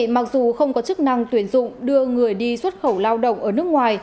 mặc dù không có chức năng tuyển dụng đưa người đi xuất khẩu lao động ở nước ngoài